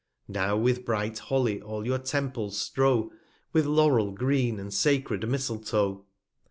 Now with bright Holly all your Temples strow, With Laurel green, and sacred Misletoe.